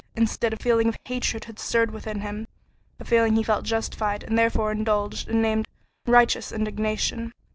Instead, a feeling of hatred had been stirred within him, a feeling he felt himself justified in and therefore indulged and named: "Righteous Indignation."